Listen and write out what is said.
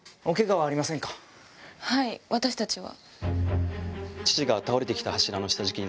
はい私たちは。